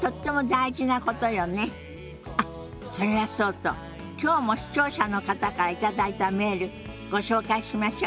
あっそれはそうときょうも視聴者の方から頂いたメールご紹介しましょ。